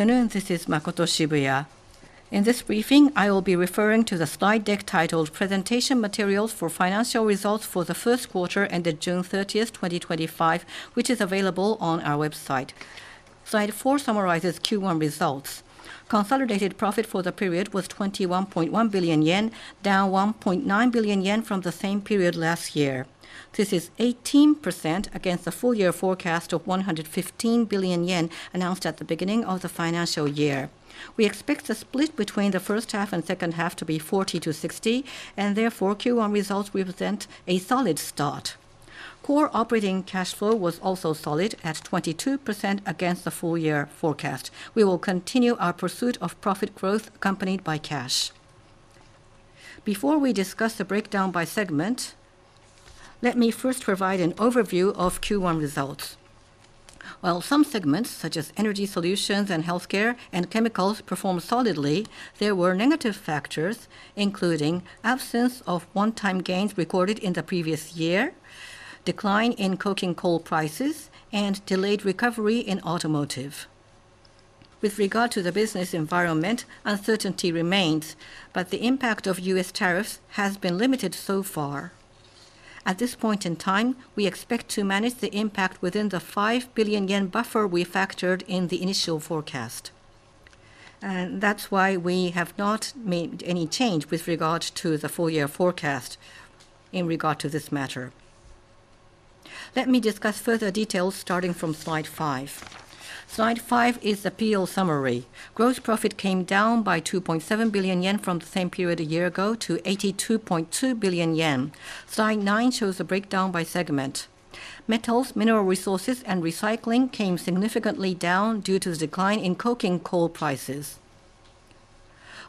Afternoon, this is Makoto Shibuya. In this briefing, I will be referring to the slide deck titled "Presentation Materials for Financial Results for the First Quarter Ended June 30th, 2025," which is available on our website. Slide four summarizes Q1 results. Consolidated profit for the period was 21.1 billion yen, down 1.9 billion yen from the same period last year. This is 18% against the full-year forecast of 115 billion yen announced at the beginning of the financial year. We expect the split between the first half and second half to be 40%-60%, and therefore Q1 results represent a solid start. Core operating cash flow was also solid at 22% against the full-year forecast. We will continue our pursuit of profit growth accompanied by cash. Before we discuss the breakdown by segment, let me first provide an overview of Q1 results. While some segments, such as energy solutions and healthcare and chemicals, performed solidly, there were negative factors, including absence of one-time gains recorded in the previous year, decline in coking coal prices, and delayed recovery in automotive. With regard to the business environment, uncertainty remains, but the impact of U.S. tariffs has been limited so far. At this point in time, we expect to manage the impact within the 5 billion yen buffer we factored in the initial forecast. That is why we have not made any change with regard to the full-year forecast in regard to this matter. Let me discuss further details starting from slide 5. Slide 5 is the P/L summary. Gross profit came down by 2.7 billion yen from the same period a year ago to 82.2 billion yen. Slide nine shows the breakdown by segment. Metals, mineral resources, and recycling came significantly down due to the decline in coking coal prices.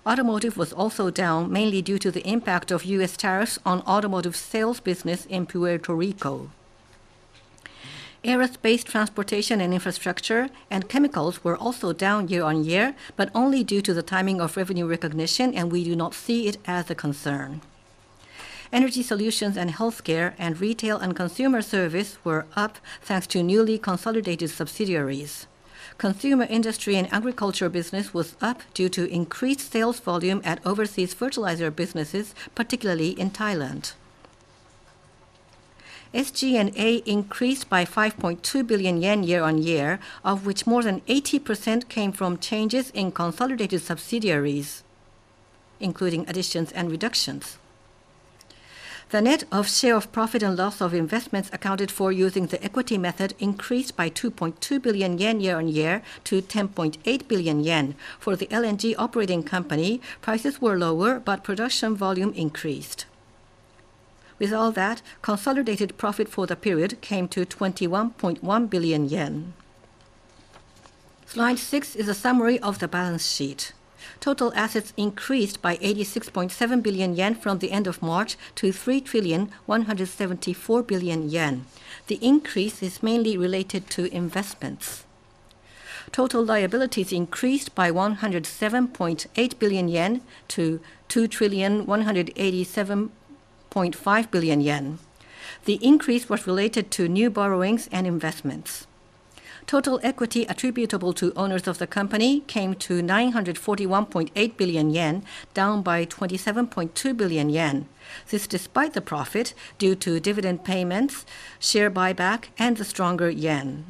Automotive was also down, mainly due to the impact of U.S. tariffs on automotive sales business in Puerto Rico. Aerospace transportation and infrastructure and chemicals were also down year-on-year, but only due to the timing of revenue recognition, and we do not see it as a concern. Energy solutions and healthcare and retail and consumer service were up thanks to newly consolidated subsidiaries. Consumer industry and agriculture business was up due to increased sales volume at overseas fertilizer businesses, particularly in Thailand. SG&A increased by 5.2 billion yen year-on-year, of which more than 80% came from changes in consolidated subsidiaries, including additions and reductions. The net share of profit and loss of investments accounted for using the equity method increased by 2.2 billion yen year-on-year to 10.8 billion yen. For the LNG operating company, prices were lower, but production volume increased. With all that, consolidated profit for the period came to 21.1 billion yen. Slide 6 is a summary of the balance sheet. Total assets increased by 86.7 billion yen from the end of March to 3,174 billion yen. The increase is mainly related to investments. Total liabilities increased by 107.8 billion yen to 2,187.5 billion yen. The increase was related to new borrowings and investments. Total equity attributable to owners of the company came to 941.8 billion yen, down by 27.2 billion yen. This is despite the profit due to dividend payments, share buyback, and the stronger yen.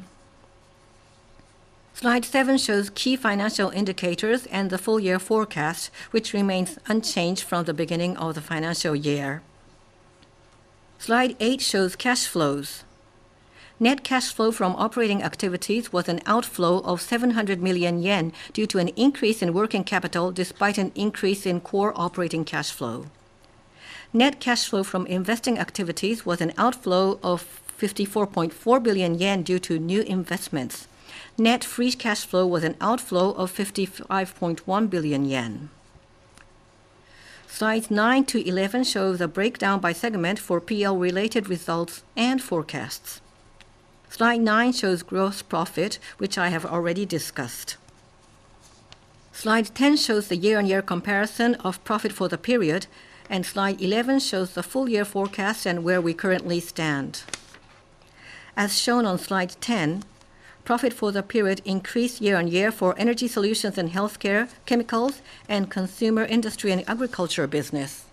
Slide 7 shows key financial indicators and the full-year forecast, which remains unchanged from the beginning of the financial year. Slide 8 shows cash flows. Net cash flow from operating activities was an outflow of 0.7 billion yen due to an increase in working capital despite an increase in core operating cash flow. Net cash flow from investing activities was an outflow of 54.4 billion yen due to new investments. Net free cash flow was an outflow of 55.1 billion yen. Slides 9-11 show the breakdown by segment for P/L-related results and forecasts. Slide nine shows gross profit, which I have already discussed. Slide 10 shows the year-on-year comparison of profit for the period, and slide 11 shows the full-year forecast and where we currently stand. As shown on slide 10, profit for the period increased year-on-year for energy solutions and healthcare, chemicals, and consumer industry and agriculture business.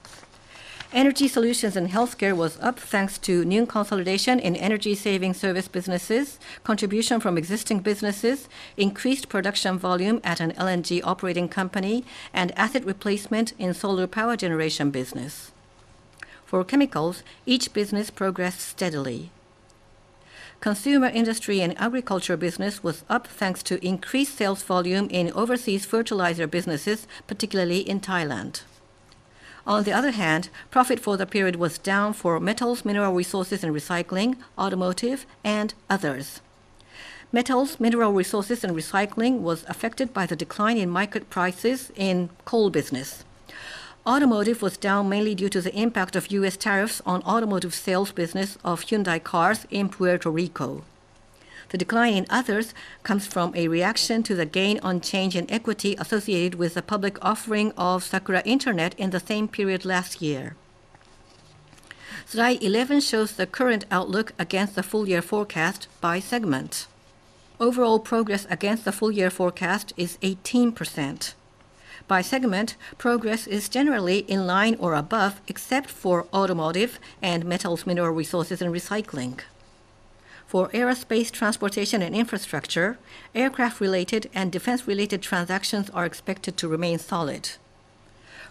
Energy solutions and healthcare was up thanks to new consolidation in energy saving service businesses, contribution from existing businesses, increased production volume at an LNG operating company, and asset replacement in solar power generation business. For chemicals, each business progressed steadily. Consumer industry and agriculture business was up thanks to increased sales volume in overseas fertilizer businesses, particularly in Thailand. On the other hand, profit for the period was down for metals, mineral resources, and recycling, automotive, and others. Metals, mineral resources, and recycling was affected by the decline in market prices in coal business. Automotive was down mainly due to the impact of U.S. Tariffs on automotive sales business of Hyundai cars in Puerto Rico. The decline in others comes from a reaction to the gain on change in equity associated with the public offering of Sakura Internet in the same period last year. Slide 11 shows the current outlook against the full-year forecast by segment. Overall progress against the full-year forecast is 18%. By segment, progress is generally in line or above except for automotive and metals, mineral resources, and recycling. For aerospace transportation and infrastructure, aircraft-related and defense-related transactions are expected to remain solid.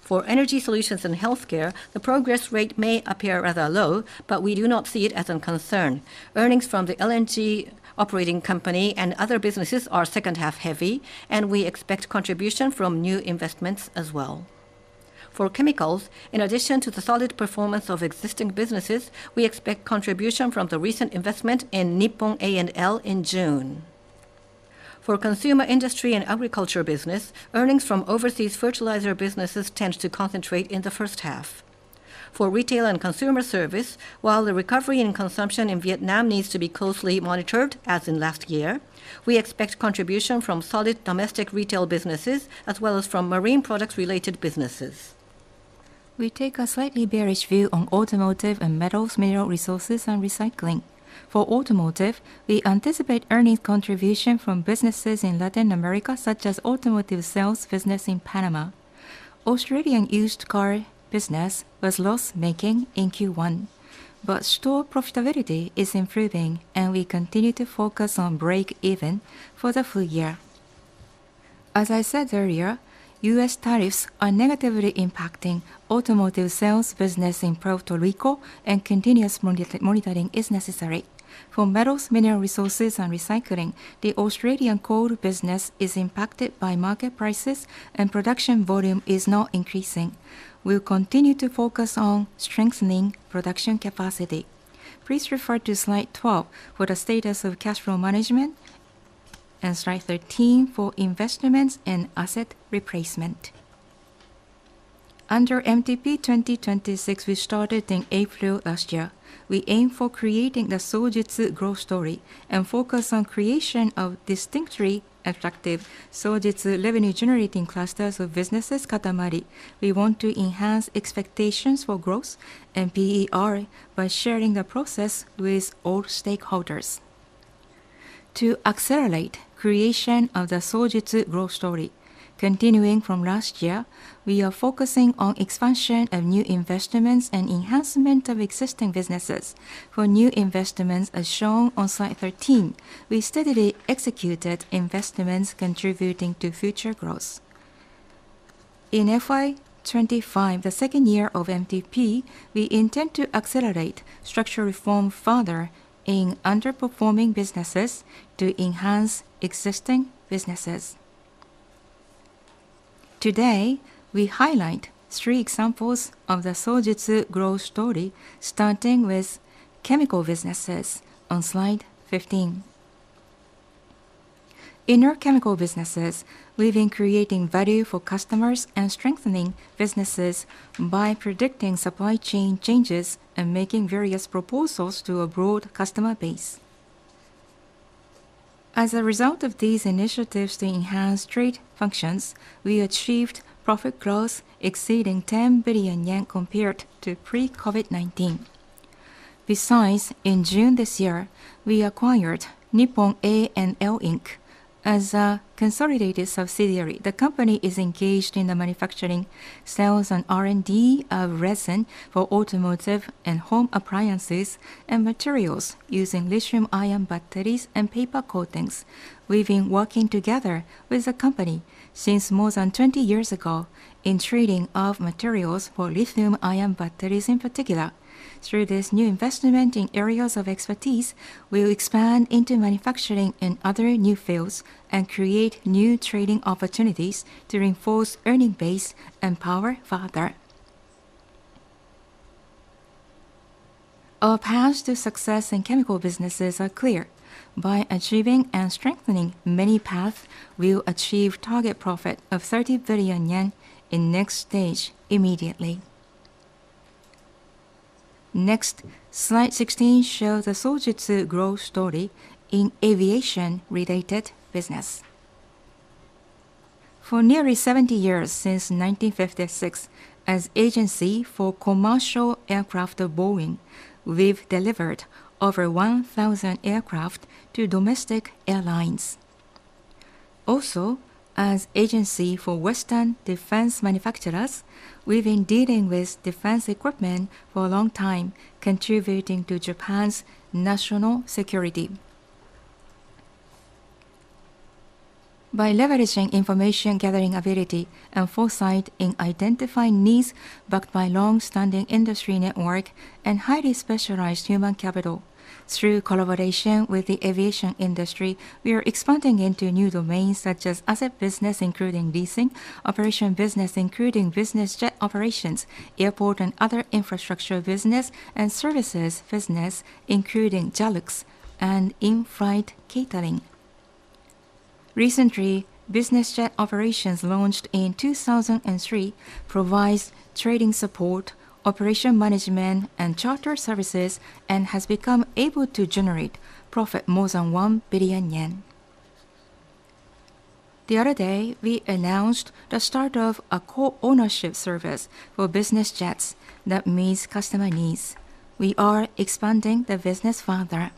For energy solutions and healthcare, the progress rate may appear rather low, but we do not see it as a concern. Earnings from the LNG operating company and other businesses are second-half heavy, and we expect contribution from new investments as well. For chemicals, in addition to the solid performance of existing businesses, we expect contribution from the recent investment in Nippon A&L Inc. in June. For consumer industry and agriculture business, earnings from overseas fertilizer businesses tend to concentrate in the first half. For retail and consumer service, while the recovery in consumption in Vietnam needs to be closely monitored, as in last year, we expect contribution from solid domestic retail businesses as well as from marine products-related businesses. We take a slightly bearish view on automotive and metals, mineral resources, and recycling. For automotive, we anticipate earnings contribution from businesses in Latin America, such as automotive sales business in Panama. Australian used car business was loss-making in Q1, but store profitability is improving, and we continue to focus on break-even for the full year. As I said earlier, U.S. tariffs are negatively impacting automotive sales business in Puerto Rico, and continuous monitoring is necessary. For metals, mineral resources, and recycling, the Australian coal business is impacted by market prices, and production volume is not increasing. We will continue to focus on strengthening production capacity. Please refer to slide 12 for the status of cash flow management and slide 13 for investments and asset replacement. Under Medium-term Management Plan (MTP 2026), which started in April last year, we aim for creating the Sojitz growth story and focus on the creation of distinctly attractive Sojitz revenue-generating clusters of businesses Katamari. We want to enhance expectations for growth and PER by sharing the process with all stakeholders. To accelerate the creation of the Sojitz growth story, continuing from last year, we are focusing on the expansion of new investments and enhancement of existing businesses. For new investments, as shown on slide 13, we steadily executed investments contributing to future growth. In FY 2025, the second year of MTP, we intend to accelerate structural reform further in underperforming businesses to enhance existing businesses. Today, we highlight three examples of the Sojitz growth story, starting with chemical businesses on slide 15. In our chemical businesses, we have been creating value for customers and strengthening businesses by predicting supply chain changes and making various proposals to a broad customer base. As a result of these initiatives to enhance trade functions, we achieved profit growth exceeding 10 billion yen compared to pre-COVID-19. Besides, in June this year, we acquired Nippon A&L Inc. as a consolidated subsidiary. The company is engaged in the manufacturing, sales, and R&D of resin for automotive and home appliances and materials using lithium-ion batteries and paper coatings. We have been working together with the company since more than 20 years ago in trading of materials for lithium-ion batteries in particular. Through this new investment in areas of expertise, we will expand into manufacturing and other new fields and create new trading opportunities to reinforce the earnings base and power further. Our paths to success in chemical businesses are clear. By achieving and strengthening many paths, we will achieve a target profit of 30 billion yen in the next stage immediately. Next, slide 16 shows the Sojitz growth story in aviation-related business. For nearly 70 years, since 1956, as an agency for commercial aircraft Boeing, we have delivered over 1,000 aircraft to domestic airlines. Also, as an agency for Western defense manufacturers, we have been dealing with defense equipment for a long time, contributing to Japan's national security. By leveraging information-gathering ability and foresight in identifying needs backed by a longstanding industry network and highly specialized human capital, through collaboration with the aviation industry, we are expanding into new domains such as asset business, including leasing operations, business, including business jet operations, airport and other infrastructure business, and services business, including deluxe and in-flight catering. Recently, business jet operations launched in 2003 provide trading support, operation management, and charter services, and have become able to generate profit of more than 1 billion yen. The other day, we announced the start of a co-ownership service for business jets that meets customer needs. We are expanding the business further.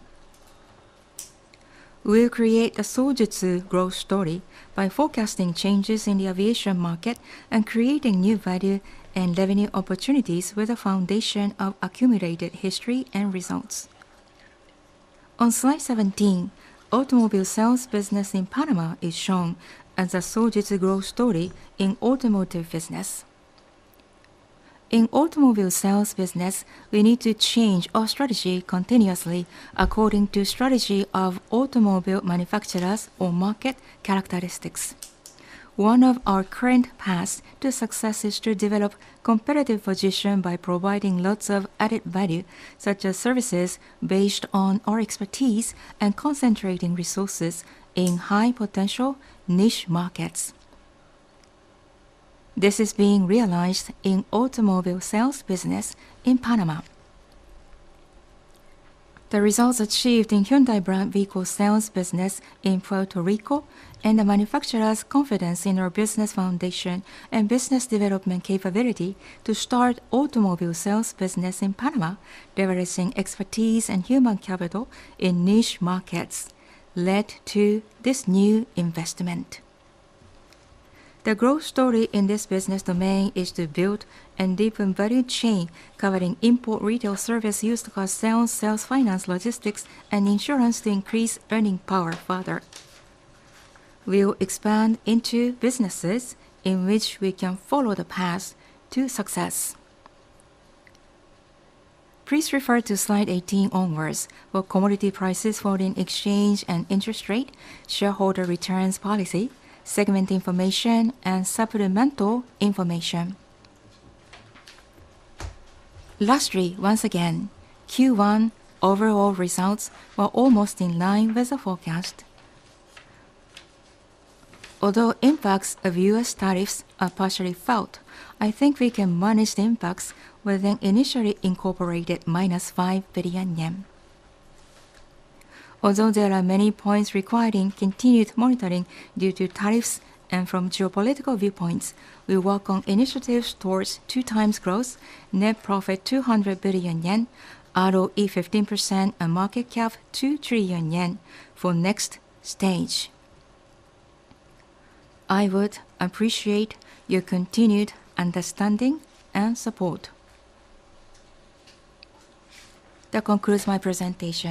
We will create the Sojitz growth story by forecasting changes in the aviation market and creating new value and revenue opportunities with the foundation of accumulated history and results. On slide 17, automobile sales business in Panama is shown as a Sojitz growth story in the automotive business. In the automobile sales business, we need to change our strategy continuously according to the strategy of automobile manufacturers or market characteristics. One of our current paths to success is to develop a competitive position by providing lots of added value, such as services based on our expertise and concentrating resources in high-potential niche markets. This is being realized in the automobile sales business in Panama. The results achieved in the Hyundai brand vehicle sales business in Puerto Rico and the manufacturers' confidence in our business foundation and business development capability to start the automobile sales business in Panama, leveraging expertise and human capital in niche markets, led to this new investment. The growth story in this business domain is to build a deepened value chain covering import retail service, used car sales, sales finance, logistics, and insurance to increase earning power further. We will expand into businesses in which we can follow the path to success. Please refer to slide 18 onwards for commodity prices, holding exchange, and interest rates, shareholder returns policy, segment information, and supplemental information. Lastly, once again, Q1 overall results were almost in line with the forecast. Although the impacts of U.S. tariffs are partially felt, I think we can manage the impacts with an initially incorporated minus 5 billion yen. Although there are many points requiring continued monitoring due to tariffs and from geopolitical viewpoints, we work on initiatives towards two times growth, net profit 200 billion yen, ROE 15%, and market cap 2 trillion yen for the next stage. I would appreciate your continued understanding and support. That concludes my presentation.